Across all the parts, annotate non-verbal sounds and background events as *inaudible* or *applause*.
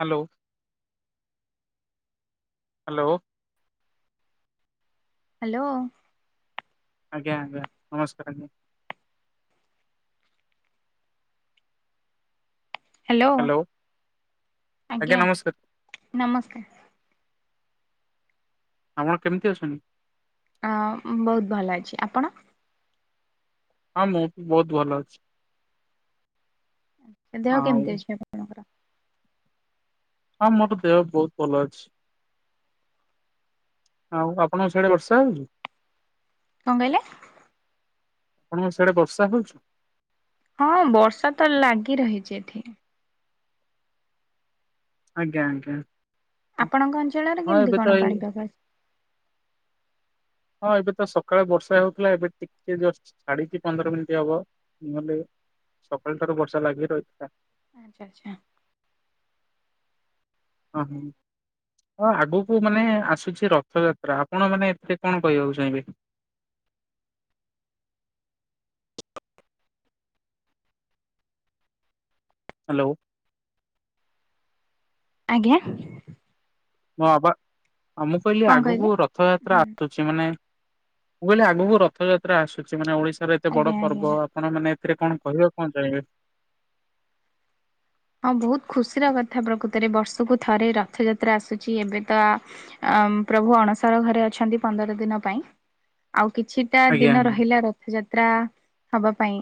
Hello. Hello. Hello. ଆଜ୍ଞା ଆଜ୍ଞା ନମସ୍କାର। ହ୍ୟାଲୋ ଆଜ୍ଞା ନମସ୍କାର। ଆପଣ କେମିତି ଅଛନ୍ତି? ଅ ବହୁତ ଭଲ ଅଛି ଆପଣ? ହଁ ମୁଁ ବି ବହୁତ ଭଲ ଅଛି। ଦେହ ଆଉ କେମିତି ଅଛି? ଆପଣଙ୍କର ହଁ ମୋର ତ ଦେହ ବହୁତ ଭଲ ଅଛି। ଆଉ ଆପଣଙ୍କ ଛଆଡେ ବର୍ଷା ହଉଛି? କଣ କହିଲେ? ଆପଣ ସେଆଡ ବର୍ଷା ହଉୁଛି? ହଁ ବର୍ଷା ତ ଲାଗି ରହିଛି ଏଠି ଆଜ୍ଞା ଆଜ୍ଞା। ଆପଣଙ୍କ ଅଞ୍ଚଳରେ ହଁ କେମିତି ଏବେ ତ କଣ ଏଇ ପାଣିପାଗ ଅଛି? *inaudible* ହଁ ଏବେ ତ ସକାଳେ ବର୍ଷା ହଉଥିଲା ଏବେ ଟିକେ ଜଷ୍ଟ ଛାଡିଛି ପନ୍ଦର ମିନିଟ୍ ହବ ନହେଲେ ସକାଳଟାରୁ ବର୍ଷା ଲାଗି ରହିଥିଲା। ଆଚ୍ ଆଚ୍ଛା ଓ ହୋ। ହଁ ଆଗକୁ ମାନେ ଆସୁଚି ରଥଯାତ୍ରା ଆପଣ ମାନେ ଏଥିରେ କଣ କହିବାକୁ ଚାହିଁବେ? ହାଲୋ। ଆଜ୍ଞା। ହିଁ ପା ମୁଁ କହିଲି କଣ କହିଲେ ଆଗକୁ ରଥଯାତ୍ରା ହୁଁ ଆସୁଛି। ମାନେ ମୁଁ କହିଲି ଆଗକୁ ରଥଯାତ୍ରା ଆସୁଛି ମାନେ ଓଡିଶାର ଏତେ ଆଜ୍ଞା ବଡ ଆଜ୍ଞା ପର୍ବ ଆପଣ ମାନେ ଏଥିରେ କଣ କହିବା କଣ ଚାହଁବେ ହଁ, ବହୁତ ଖୁସିର କଥା ପ୍ରକୃତରେ ବର୍ଷକୁ ଥରେ ରଥଯାତ୍ରା ଆସୁଛି ଏବେ ତ ଅ ପ୍ରଭୁ ଅଣସାର ଘରେ ଅଛନ୍ତି ପନ୍ଦର ଦିନ ପାଇଁ ଆଉ କିଛି ଟା ଆଜ୍ଞା ଦିନ ରହିଲା ରଥଯାତ୍ରା ହବା ପାଇଁ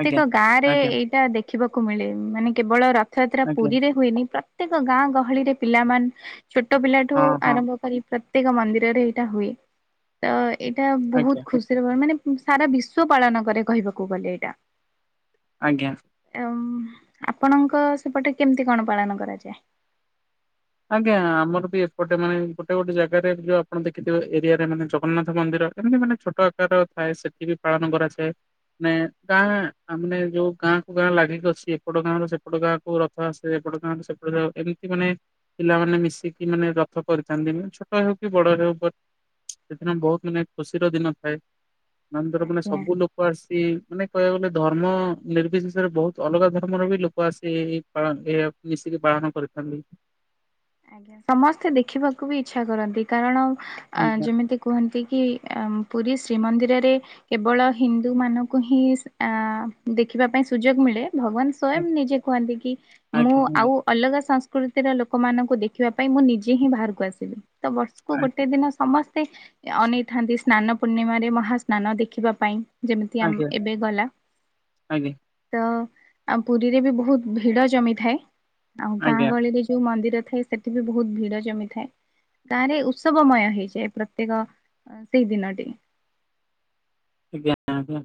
ଆଜ୍ଞା ଗାଁ ରେ ଆଜ୍ଞା ଏଇଟା ଦେଖ ଦେଖିବାକୁ ମିଳେ ମାନେ କେବଳ ରଥଯାତ୍ରା ଆଜ୍ଞା ପୁରୀରେ ହୁଏନି ପ୍ରତ୍ୟେକ ଗାଁ ଗହଳିରେ ପିଲାମାନେ ଛୋଟ ପିଲା ଠୁ ହଁ ହଁ ଆରମ୍ଭ କରି ପ୍ରତ୍ୟେକ ମନ୍ଦିରରେ ଏଇଟା ହୁଏ ତ ଏଇଟା ବହୁତ ଆଜ୍ଞା ଖୁସିର ମାନେ ସାରା ବିଶ୍ଵ ପାଳନ କରେ କହିବାକୁ ଗଲେ ଏଇଟା ଆଜ୍ଞା ଏ ଆଉ ଆପଣଙ୍କ ସେପଟେ କେମିତି କଣ ପାଳନ କରାଯାଏ। ଆଜ୍ଞା ଆମର ବି ଏପଟେ ମାନେ ଗୋଟେ ଗୋଟେ ଜାଗାରେ ଯୋଉ ଆପଣ ଦେଖିଥିବେ ଏରିଆରେ ମାନେ ଜଗନ୍ନାଥ ମନ୍ଦିର ଏମିତି ମାନେ ଛୋଟ ଆକାର ଥାଏ ସେଠି ବି ପାଳନ କରାଯାଏ। ମାନେ ଗାଁ ଆାନେ ଯୋଉ ଗାଁ କୁ ଗାଁ ଲାଗିକି ଅଛି ଏପଟ ଗାଁର ସେପଟ ଗାଁ କୁ ର ଟା ସେପଟ ଏମିତି ମାନେ ପିଲମାନେେ ମିଶିକି ମାନେ ରଥ କରିଥାନ୍ତି ମେ ଛୋଟ ହେଉ କି ବଡ ହଉ। ସେଦିନ ବହୁତ ମାନେ ଖୁସିର ଦିନ ଥାଏ ନନ୍ଦର ମାନେ ଆଜ୍ଞା। ସବୁ ଲୋକ ଲୋକ ଆସି ମାନେ କହିବାକୁ ଗଲେ ଧର୍ମ ନିର୍ବିଶେଷରେ ବହୁତ ଅଲଗା ଧର୍ମର ବି ଲୋକ ଆସି ପାଳ ମିଶିକି ବାହନ କରିଥାନ୍ତି। ସମସ୍ତେ ଦେଖିବାକୁ ବି ଇଚଛା କରନ୍ତି କାରଣ ଆଜ୍ଞା ଯେମିତି କୁହନ୍ତି କି ପୁରୀ ଶ୍ରୀମନ୍ଦିରରେ କେବଳ ହିନ୍ଦୁ ମାନଙ୍କୁ ହିଁ ଆ ଦେଖିବା ପାଇଁ ସୁଯୋଗ ମିଳେ ଭଗବାନ ସ୍ଵୟଂ ନିଜେ କୁହନ୍ତି କି ମୁଁ ଆଜ୍ଞା ଆଉ ଆଜ୍ଞା ଅଲଗା ସଂସ୍କୃତିର ଲୋକମାନଙ୍କ ଦେଖିବା ପାଇଁ ମୁଁ ନିଜେ ହିଁ ବାହାରକୁ ଆସିଲି ତ ବର୍ଷକୁ ଗୋଟେ ଦିନ ସମସ୍ତେ ଅନେଇଥାନ୍ତି ସ୍ନାନ ପୂର୍ଣ୍ଣିମାରେ ମହା ସ୍ନାନ ଦେଖିବା ପାଇଁ ଯେମିତି ଆଜ୍ଞା ଆମ ଆଜ୍ଞା ଏବେ ଗଲା ଆଜ୍ଞା ତ ଆ ପୁରୀରେ ବି ବହୁତ୍ ଭିଡ ଜମିଥାଏ। ଆଉ ଗାଁ ଆଜ୍ଞା ଗହଳିରେ ଯୋଉ ମନ୍ଦିର ଥାଏ ସେଠି ବି ବହୁତ ଭିଡ ଜମିଥାଏ ତରେ ଉତ୍ସବମୟ ହେଇଯାଏ ପ୍ରତ୍ୟେକ ଅ ସେଇଦିନ ଟେ ଆଜ୍ଞା ଆ୍ଞା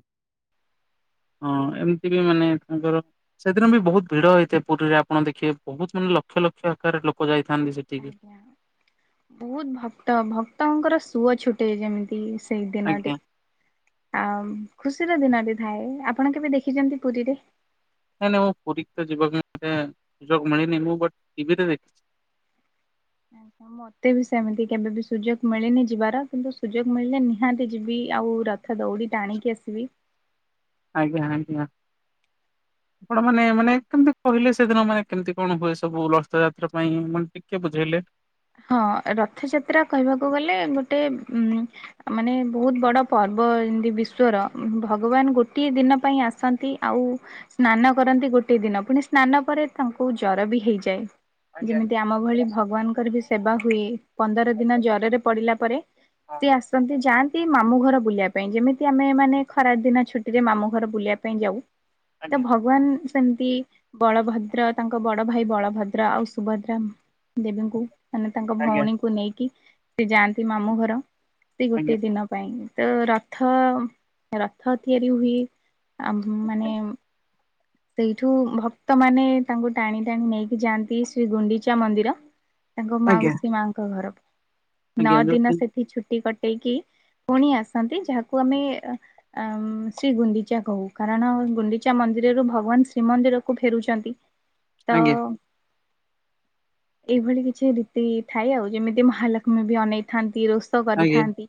ହଁ ଏମିତି ବି ମାନେ ତାଙ୍କର ସେଦିନ ବି ବହୁତ ଭିଡ ହେଇଥାଏ ପୁରୀରେ ଆପଣ ଦେଖିବେ ବହୁତ ମାନେ ଲକ୍ଷ ଲକ୍ଷ ଆକାରରେ ଲୋକ ଯାଇଥାନ୍ତି ସେଠିକି ବହୁତ୍ ଭକ୍ତ ଭକ୍ତଙ୍କର ସୁଅ ଛୁଟେ ଯେମିତି ସେଇ ଦିନ ଆଜ୍ଞା ଟି ଆଉ ଖୁସିର ଦିନଟି ଥାଏ ଆପଣ କେବେ ଦେଖିଛନ୍ତି ପୁରୀରେ ନାଇଁ ନାଇଁ ମୁଁ ପୁରୀ ତ ଯିବାକେ ସୁଯୋଗ ମିଳିନି ମୁଁ ବ ଟିଭିରେ ଦେଖିଛି *inaudible* ମତେ ବି ସେମିତି କେବେବ ସୁଯୋଗ ମିଳିନି ଯିବାର କିନ୍ତୁ ସୁଯୋଗ ମିଳିଲେ ନିହାତି ଯିବି ଆଉ। ତ ଦୌଡ଼ି ଆଣିକି ଆସିଲି। ଆଜ୍ଞା ଆଜ୍ଞା। ଆପଣ ମାନେ ମାନେ କେମିତି କହିଲେ ସେଦିନ ମାନେ କେମିତି କଣ ହୁଏ ସବୁ ଲସ୍ ଯାତ୍ରା ପାଇଁ ମାନେ ଟିକେ ବୁଝେଇଲେ। ହଁ, ରଥଯାତ୍ରା କହିବାକୁ ଗଲେ ଗୋଟେ ଉ ମାନେ ବହୁତ ବଡ ପର୍ବ ଏମତି ବିଶ୍ଵର ଭଗବାନ ଗୋଟଏ ଦିନ ପାଇଁ ଆସନ୍ତି ଆଉ ସ୍ନାନ କରନ୍ତି ଗୋଟିଏ ଦିନ ପୁଣି ସ୍ନାନ ପରେ ତାଙ୍କୁ ଜର ବି ହେଇଯାଏ। ଆଜ୍ଞା। ଯେମିତି ଆମ ଭଳି ଭଗବାନଙ୍କର ବି ସେବା ହୁଏ। ପନ୍ଦର ଦିନ ଜରରେ ପଡିଲା ପରେ ସିଏ ଆସନ୍ତି ଯାଆ ନ୍ତି ମାମୁଁ ଘର ବୁଲିବା ପାଇଁ ଯେମିତି ଆମେ ମାନେ ଖରା ଦିନ ଛୁଟି ରେ ମାମୁଁ ଘର ବୁଲିଆ ପାଇଁ ଯାଉ ତ ଆଜ୍ଞା ଭଗବାନ ସେମତି ବଳଭଦ୍ର ତାଙ୍କ ବଡ଼ ଭାଇ ବଳଭଦ୍ର ଆଉ ସୁଭଦ୍ରା ଦେବୀଙ୍କୁ ମାନେ ତାଙ୍କ ଆଜ୍ଞା ଭଉଣୀଙ୍କୁ ନେଇକି ସେ ଯାଆନ୍ତି ମାମୁଁ ଘର। ସେ ଗୋଟେ ଆଜ୍ଞା ଦିନ ପାଇଁ ତ ରଥ ରଥ ତିଆରି ହୁଏ। ଆମ ମାନେ ସେଇଠୁ ଭକ୍ତମାନେ ତାଙ୍କୁ ଟାଣି ଟାଣି ନେଇକି ଯାଆନ୍ତି ଶ୍ରୀ ଗୁଣ୍ଡିଚା ମନ୍ଦିର। ତାଙ୍କ ଆଜ୍ଞା ମାଉସୀ ମାଙ୍କ ଘରକୁ ନଅ ଆଜ୍ଞା ଯୋଉ ଦିନ ତିନ ସେଠି ଛୁଟି କଟ୍ ହେଇକି ପୁଣି ଆସନ୍ତି ଯାହାକୁ ଆମେ ଆମ୍ ସି ଗୁଣ୍ଡିଚା କହୁ କାରଣ ଗୁଣ୍ଡିଚା ମନ୍ଦିରରୁ ଭ *unintelligible* ଶ୍ରୀମନ୍ଦିର କୁ ଫେରୁଛନ୍ତି ତ ଆଜ୍ଞା ଏଇଭଳି କିଛି ରୀତି ଥାଏ ଆଉ ଯେମିତି ମହାଲକ୍ଷ୍ମୀ ବି ଅନେଇ ଥାନ୍ତି ରୋ ସ ଆଜ୍ଞା କରିଥାନ୍ତି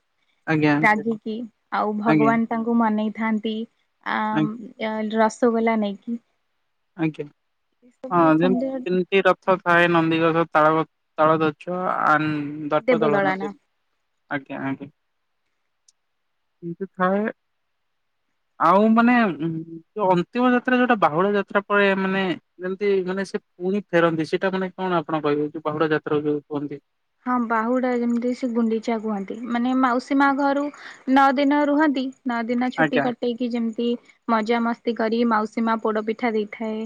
ଆଜ୍ଞା ଏ ରାଗିକି ଆଉ ଆଜ୍ଞା ଭଗବାନ ତାଙ୍କୁ ମନେଇଥାନ୍ତି। ଆଜ୍ଞା ଆମ୍ ରସଗୋଲା ନେଇକି। ଆଜ୍ଞା ଏ ସବୁ ହଁ ସୁନ୍ଦର ଯେମ୍ତି ରଥ ଥାଏ ନନ୍ଦିଘୋଷ, ତାଲ ତାଳଧୋଜ, ଆନ୍ ଦର୍ପଦଳନ ଦେବଦଳନା ଏ ଆଜ୍ଞା ଆଜ୍ଞା କିନ୍ତୁ ଥାଏ। ଆଉ ମାନେ ଯୋଉ ଅନ୍ତିମ ଯାତ୍ରା ଯୋଉଟା ବାହୁଡ଼ା ଯାତ୍ରା ପରେ ମାନେ ଯେମତି ମାନେ ସେ ପୁଣି ଫେରନ୍ତି ସେଇଟା ମାନେ କଣ ଆପଣ କହିବେ ଯୋଉ ବାହୁଡା ଯାତ୍ରା ଯୋଉ କୁହନ୍ତି? ହଁ ବାହୁଡା ଯେମିତି ସେ ଗୁଣ୍ଡିଚା କୁହନ୍ତି ମାନେ ମାଉସୀ ମା ଘରୁ ନଅ ଦିନ ରୁହନ୍ତି। ନଅ ଦିନ ଛୁଟି ଆଜ୍ଞା କଟେଇକି ଯେମିତି ମଜା ମସ୍ତି କରି ମାଉସୀ ମା ପୋଡ ପିଠା ଦେଇଥାଏ।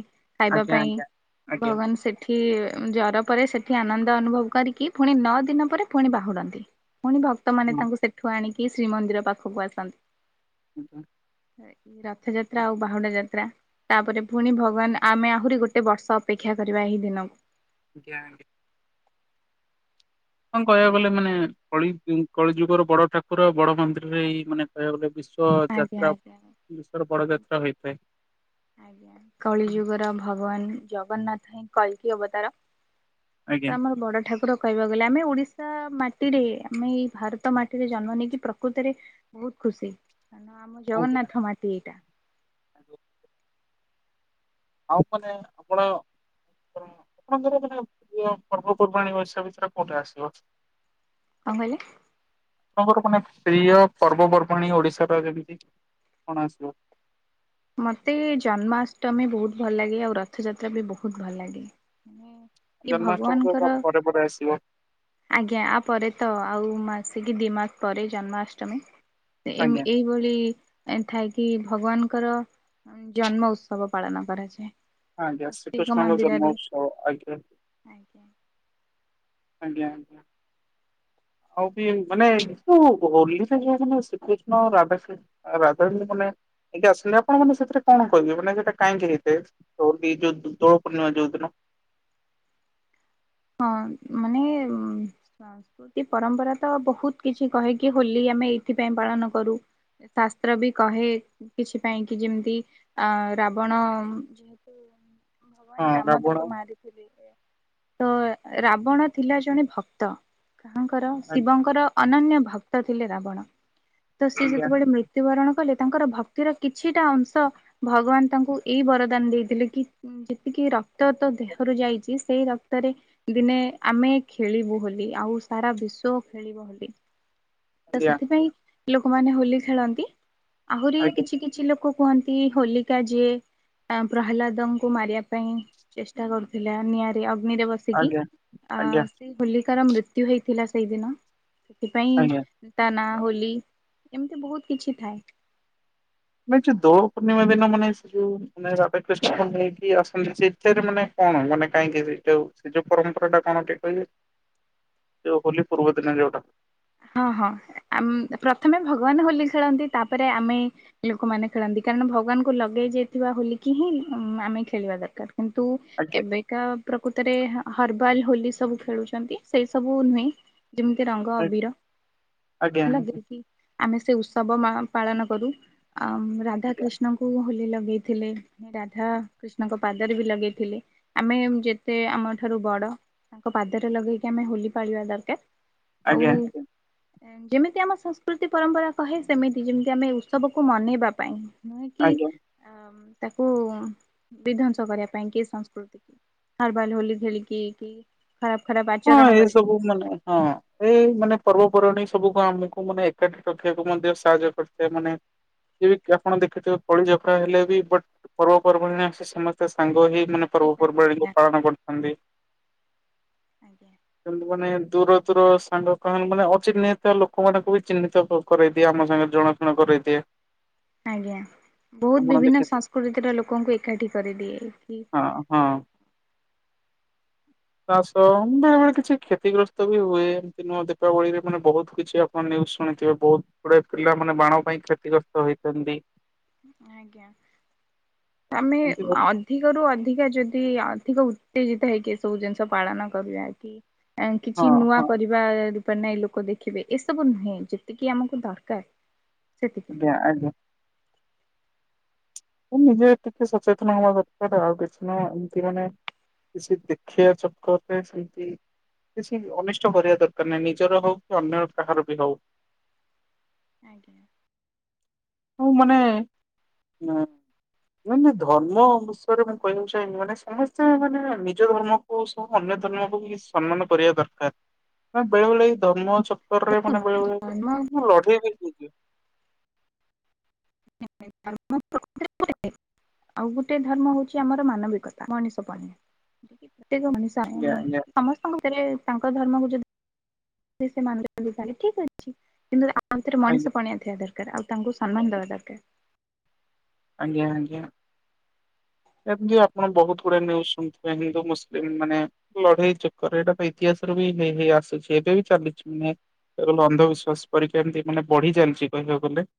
ଖାଇବା ଆଜ୍ଞା ପାଇଁ ଆଜ୍ଞା ଆଜ୍ଞା ଭଗବାନ ସେଠି ଜର ପରେ ସେଠି ଆନନ୍ଦ ଅନୁଭବ କରିକି ଫୁଣି ନଅ ଦିନ ପରେ ଫୁଣି ବାହୁଡନ୍ତି ପୁଣି ଭକ୍ତମାନେ ହଁ ତାଙ୍କୁ ସେଠ ଠୁ ଆଣିକି ଶ୍ରୀମନ୍ଦିର ପାଖକୁ ଆସନ୍ତି। *unintelligible* ରଥଯାତ୍ରା ଆଉ ବାହୁଡା ଯାତ୍ରା। ତାପରେ ପୁଣି ଭଗବାନ ଆମେ ଆହୁରି ଗୋଟେ ବର୍ଷ ଅପେକ୍ଷା କରିବା ଏହି ଦିନକୁ। ଆଜ୍ଞା ଆଜ୍ଞା। କଣ କହିବାକୁ ଗଲେ ମାନେ କଳି କଳି ଯୁଗର ବଡ ଠାକୁର ଆଉ ବଡ ମନ୍ଦିରରେ ଏଇ ମାନେ ଗୋଟେ ବିଶ୍ଵ ଆଜ୍ଞା ଯାତ୍ରା ଆଜ୍ଞା। ବିଶ୍ଵର ବଡ ଯାତ୍ରା ହୋଇଥାଏ। ଆଜ୍ଞା କଳି ଯୁଗର ଭଗବାନ ଜଗନ୍ନାଥ ହଁ କଳ୍କୀ ଅବତାର। ଆଜ୍ଞା ଆଜ୍ଞା। ତ ଆମର ବଡ ଠାକୁର କହିବାକୁ ଗଲେ ଆମେ ଓଡିଶା ମାଟିରେ ଆମେ ଏଇ ଭାରତ ମା ଟି ରେ ଜନ୍ମ ନେଇକି ପ୍ରକୃତରେ ବହୁତ ଖୁସି କାରଣ ଆମ ଆଜ୍ଞା। ଜଗନ୍ନାଥ ମାଟି ଏଇଟା। *inaudible* ଆଉ ମାନେ ଆପଣ ଆପଣଙ୍କର ମାନେ ପ୍ର ପର୍ବପର୍ବାଣ ଓସ ଭିତରେ କୋଉଠି ଆସିବ। କଁ କହିଲେ? ଆପଣଙ୍କର ମାନେ ପ୍ରିୟ ପର୍ବପର୍ବାଣୀ ଓଡିଶାର ଯେମିତି କଣ ଆସିବ? ମୋତେ ଜନ୍ମାଷ୍ଟମୀ ବହୁତ ଭଲ ଲାଗେ ଆଉ ରଥଯାତ୍ରା ବି ବହୁତ ଭଲ ଲାଗେ। ହୁଁ। ଜନ୍ମାଷ୍ଟମୀ ତ ତା ପରେ ପରେ ଆସିବ। ଆଜ୍ଞା ଆପରେ ତ ଆଉ ମାସେକି ଦି ମାସ ପରେ ଜନ୍ମାଷ୍ଟମୀ ଏ ଏଇ ଆଜ୍ଞା କି ଭଳି ଥାଇକି ଭଗବାନଙ୍କର। ଜନ୍ମ ଉତ୍ସବ ପାଳନ କରାଯାଏ। ଆଜ୍ଞା ପ୍ରତ୍ୟେକ ଶ୍ରୀକୃଷ୍ଣଙ୍କ ମନ୍ଦିରରେ ଜନ୍ମୋତ୍ସବ ଆଜ୍ଞା। ଆଜ୍ଞା। ଆଜ୍ଞା ଆଜ୍ଞା। ଆଉ ମାନେ ଯୋଉ ହୋଲିରେ ଯୋଉ ମ ଶ୍ରୀକୃଷ୍ଣ ଆଉ ରାଧାକୃଷ୍ଣ ରାଧା ମାନେ ଏ ଆସିଲେ ଆପଣ ମାନେ ସେଥିରେ କଣ କହିବେ ମାନେ ସେଇଟା କାହିଁକି ହେଇଥାଏ? ତ ଯଉ ତ ନ ଯଉଦିନ। ହଁ ମାନେ ଉମ ସାସ୍କୃତି ପରମ୍ପରା ତ ବହୁତ କିଛି କହେ କି ହୋଲି ଆମେ ଏଇଥିପାଇଁ ପାଳନ କରୁ। ଶାସ୍ତ୍ର ବି କହେ କିଛି ପାଇଁ କି ଯେମିତି ଅ ରାବଣ ଯେ ଭଗବାନ ହଁ ରାମ ରାବଣ ତାଙ୍କୁ ମାରିଥିଲେ। ତ ରାବଣ ଥିଲା ଜଣେ ଭକ୍ତ କାହାଙ୍କର ଆ- ଶିବଙ୍କର ଅନନ୍ୟ ଭକ୍ତ ଥିଲେ ରାବଣ ତ ସିଏ ଆଜ୍ଞା ଯେତେ ବେଳେ ମୃତ୍ୟୁ ମୃତ୍ୟୁବରଣ କଲେ ତାଙ୍କର ଭକ୍ତିର କିଛିଟା ଅଂଶ ଭଗବାନ୍ ତାଙ୍କୁ ଏଇ ବରଦାନ ଦେଇଥିଲେ କି ଯେତିକି ରକ୍ତ ତୋ ଦେହରୁ ଯାଇଚି ସେଇ ରକ ତରେ ଦିନେ ଆମେ ଖେଳିବୁ ହୋଲି ଆଉ ସାରା ବିଶ୍ୱ ଖେଳିବ ହୋଲି। ତ ଆଜ୍ଞା ସେଥିପାଇଁ ଲୋକମାନେ ହୋଲି ଖେଳନ୍ତି। ଆହୁରି ଆଜ୍ଞା କିଛି କି ଛି ଲୋକ କୁହନ୍ତି ହୋଲିକା ଯିଏ ଏମ୍ ପ୍ରହ୍ଲାଦଙ୍କୁ ମାରିବା ପାଇଁ ଚେଷ୍ଟା କରୁଥିଲା ନିଆଁରେ ଅଗ୍ନିରେ ବସ୍ ସିକି ଆଜ୍ଞା ଆଜ୍ଞା ଆଁ ସେଇ ହୋଲିକାର ମୃତ୍ୟୁ ହେଇଥିଲା ସେଇଦିନ ସେଥିପାଇଁ ଆଜ୍ଞା। ତା ନାଁ ହୋଲି। ଏମିତି ବହୁତ୍ କିଛି ଥାଏ। ମୁଁ ଚି ଦୋଳ ପୂର୍ଣ୍ଣିମା ଦିନ ମନେ ସେ ଯୋଉ ମନେ ରାଧାକୀଷ୍ଣଙ୍କ ନେଇକି ଆସନ୍ତି ସେଇଠାରେ ମନେ କଣ ମନେ କାହିଁକି ସେଇଟାଉ ସେ ଯୋଉ ପରମମ୍ପରା ଟା କଣ ଟି କହିବେ ଯୋଉ ହୋଲି ପୂର୍ବ ଦିନ ଯୋଉଟା? ହଁ ହଁ ଆମ୍ ପ୍ରଥମେ ଭଗବାନ ହୋଲି ଖେଳନ୍ତି ତାପରେ ଆମେ ଲୋକମାନେ ଖେଳନ୍ତି। କାରଣ ଭଗବାନଙ୍କୁ ଲଗେଇ ଯାଇଥିବା ହୋଲିକି ହିଁ ଆମେ ଖେଳିବା ଦରକାର। କିନ୍ତୁ ଆଜ୍ଞା ଏବେ କା ପ୍ରକୃତରେ ହର୍ବାଲ ହୋଲି ସବୁ ଖେଳୁଚନ୍ତି ସେଇ ସବୁ ନୁହେଁ। ଯିମିତି ରଙ୍ଗ ଆ ଅଭିର। ଆଜ୍ଞା ଲଗେଇକି ଆମେ ସେ ଉତ୍ସବ ପାଳନ କରୁ ଆମ୍ ଆଜ୍ଞା ଆଜ୍ଞା ରାଧାକ୍ରୀଷ୍ଣ ନଙ୍କୁ ହୋଲି ଲଗେଇଥିଲେ ରାଧା କ୍ରୀଷ୍ଣଙ୍କ ପାଦରେ ବି ଲଗେଇଥିଲେ। ଆମେ ଯେତେ ଆମ ଠାରୁ ବଡ଼ ତାଙ୍କ ପାଦରେ ଲଗେଇକି ଆମେ ହୋଲି ପାଳିବା ଦରକାର। ଆଜ୍ଞା ଆଉ ଆଜ୍ଞା। ଯେମିତି ଆମ ସଂସ୍କୃତି ପରମ୍ପରା କହେ ସେମିତି ଯେମିତି ଆମେ ଉତ୍ସବ କୁ ମନେଇବା ପାଇଁ। ନୁହେଁ କି ଆଜ୍ଞା। ଆମ୍ ତାକୁ ବିଧ୍ଵଂସ କରିବା ପାଇଁ କି ସଂସ୍କୃତି କୁ। ହର ବାଲ୍ ହୋଲି ଖେଳିକି କି ଖରାପ ଖରାପ ହଁ ଆଚରଣ ଏ କରିକି ସବୁ ମାନେ ହଁ ଏ ଏଇ ମନେ ପର୍ବପର୍ବାଣୀ ସବୁକୁ ଆମେକୁ ମନେ ଏକାଠି ରଖିବାକୁ ମଧ୍ୟ ସାହାଯ୍ୟ କରିଥାଏ ମନେ ଯେବେକି ଆପଣ ଦେଖୁଥିବେ କଳି ଝଗଡା ହେଲେ ବି ବଟ ପର୍ବପର୍ବାଣୀରେ ଆସେ ସମସ୍ତେ ସାଙ୍ଗ ହେଇ ମାନେ ପର୍ବ ଏକାଠି ହେଇକି ପର୍ବପର୍ବାଣୀକୁ ପାଳନ ଆସିବେ କରୁଥାନ୍ତି। ଆଜ୍ଞା। କେମିତି ବନେନ୍ ଦୂର ଦୂର ସାଙ୍ଗ କହଣ ମାନେ ଅଚିହ୍ନିଥିବା ଲୋକ ମାନଙ୍କୁ ବି ଚିହ୍ନିତ କରେଇ ଦିଏ ଆମ ସାଙ୍ଗେରେ ଜଣାଶୁଣା କରେଇ ଦିଏ। ଆଜ୍ଞା ବହୁତ୍ ବିଭିନ୍ନ ସଂସ୍କୃତିର ଲୋକଙ୍କୁ ଏକାଠି କରିଦିଏ ଏଠି। ହଁ ହଁ। ଚାଷ ବେଳେ ବେଳେ କିଛି କ୍ଷତିଗ୍ରସ୍ତ ବି ହୁଏ ଏମିତି ନୁଁଅ ଦୀପାବଳି ରେ ମାନେ ବହୁତ କିଛି ଆଉ କଣ ନିଉଯ୍ ଶୁଣିଥିବେ ବହୁତ ଗୁଡ଼େ ପିଲାମାନେ ବାଣ ପାଇଁ କ୍ଷତିଗ୍ରସ୍ତ ହେଇଛନ୍ତି। ଆଜ୍ଞା ଆମେ ଏମିତି ବହୁ ଅ ଧିକରୁ ଅଧିକ ଯଦି ଅଧିକ ଉତ୍ତେଜିତ ହେଇକି ଏସବୁ ଜିନିଷ ପାଳନ କରିବା କି କାଇଁ କିଛି ହଁ ନୂଆ ହଁ କରିବା ରୂପା ନାଇଁ ଲୋକ ଦେଖିବେ ଏସବୁ ନୁହେଁ ଯେତିକି ଆମକୁ ଦରକାର ସେତିକି। *unintelligible* ନିଜେ ଟିକେ ସଚେତନ ହବା ଦରକାର ଆଉ କିଛି ନାଁ ଏମତି ମାନେ କିଛି ଦେଖିଆ ଚକରେ ସେମିତି କିଛି ଅନିଷ୍ଟ କରିବା ଦରକାର ନାହିଁ ନିଜର ହଉ ଅନ୍ୟର କାହାର ବି ହଉ। ଆଜ୍ଞା। ମୁଁ ମାନେ ନାଇଁ ନାଇଁ ଧର୍ମ ବିଷୟରେ ମୁଁ କହିବାକୁ ଚାହିଁବି ମାନେ ସମସ୍ତେ ମାନେ ନିଜ ଧର୍ମ ଓ ସବୁ ଅନ୍ୟ ଧର୍ମକୁବି ସମ୍ମାନ କରିବା ଦରକାର *unintelligible* ମ ବେଳେ ବେଳେ ଧର୍ମ ଲଟଟାରେ ମାନେ କହିବାକୁ ଗଲେ ଧର୍ମ *unintelligible* ମୁଁ ଲଢ଼େଇ ଦେଖିଚି। *unintelligible* ଆଉ ଗୋଟିଏ ଧର୍ମ ହୋଉଛି ଆମର ମାନବିକତା ମଣିଷ ପଣିଆଁ ଦେବି ପ୍ରତ୍ୟେକ ମଣିଷ ତାଙ୍ଗ ଆଜ୍ଞା ସମସ୍ତଙ୍କ ଘରେ ତାଙ୍କ ଧର୍ମକୁ ଯଦି ସେ ମାନୁଛନ୍ତି ତାହେଲେ ଠିକ ଅଛି କିନ୍ତୁ ଆମ୍ ଥିରେ ଆଜ୍ଞା ମଣିଷ ପଣିଆ ଥିଆ ଦରକାର୍ ଆଉ ତାଙ୍କୁ ସମ୍ମାନ ଦବା ଦରକାର୍। ଆଜ୍ଞା ଆଜ୍ଞା। ଏମିତି ଆପଣ ବହୁତ ଗୁଡେ ନ୍ୟୁଜ୍ ଶୁଣିଥେ ହିନ୍ଦୁ ମୁସଲିମ୍ ମାନେ ଲଢେଇ ଚକର ଏଇଟା ଇତିହାସ ରୁ ବି ହେଇ ହେଇ ଆସୁଛି ଏବେ ବି ଚାଲିଛି ନୁହ୍ ଅନ୍ଧବିଶ୍ୱାସ ପରକ୍ଷା ଏମିତି ମାନେ ବଢି ଚାଲିଛି କହିବାକୁ ଗଲେ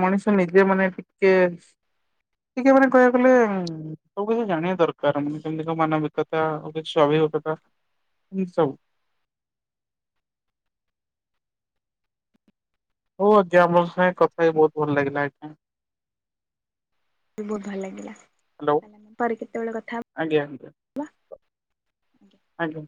ମଣିଷ ନିଜେ ମାନେ ଟିକେ ଟିକେ ମାନେ କହିବାକୁ ଗଲେ ଉମ୍ ସବୁ କିଛି ଜାଣିବା ଦରକାର ମାନେ କେମତି କ ମାନବିକତା ଆଉ କିଛି ସ୍ୱାଭିାବିକତା ଏମତି ସବୁ। ହଉ ଆଜ୍ଞା ମୋ ସାଙ୍ଗେ କଥା ହ ବହୁତ ଭଲ ଲାଗିଲା ଏଇଠା। ବହୁତ ଭଲ ଲାଗିଲା ହ୍ୟାଲୋ ହେ ପରେ କେତେବେଳେ କଥା ଆଜ୍ଞା ଆ୍ଞା ହବା। ଆଜ୍ଞ।